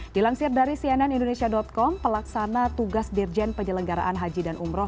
dilangsir dari cnnindonesia com pelaksana tugas dirjen penyelenggaraan haji dan umroh